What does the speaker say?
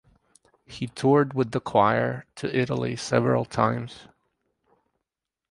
He toured with the choir to Italy several times.